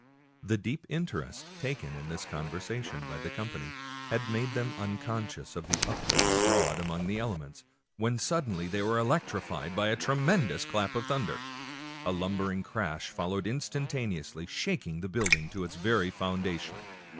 The deep interest taken in this conversation by the com pany had made them unconscious of the uproar abroad among the elements, when suddenly they were electrified by a tremendous clap of thunder. A lumbering crash followed instantaneously, shaking the building to its very foundation.